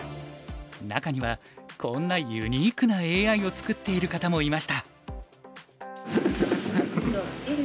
中にはこんなユニークなＡＩを作っている方もいました。